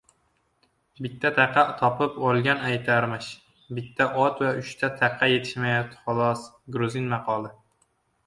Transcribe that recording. Bitta taqa topib olgan aytarmish: "Bitta ot va uchta taqa yetishmayapti, xolos". Gruzin maqoli